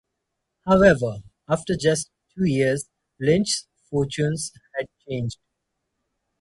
However, after just two years Lynch's fortunes had changed.